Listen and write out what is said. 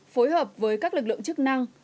phối hợp với các lực lượng chức năng